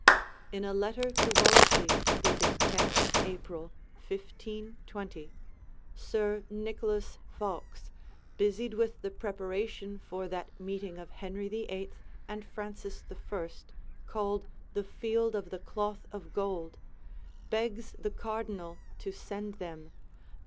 In a letter to Wolsey dated 10th April, 1520, Sir Nicholas Vaux busied with the preparation for that meeting of Henry VIII and Francis I called the Field of the Cloth of Gold begs the Cardinal to send them